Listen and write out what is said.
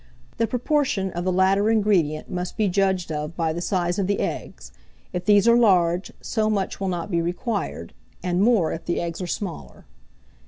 The proportion of the latter ingredient must be judged of by the size of the eggs: if these are large, so much will not be required, and more if the eggs are smaller.